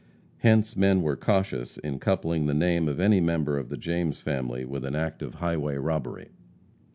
Hence men were cautious in coupling the name of any member of the James family with an act of highway robbery.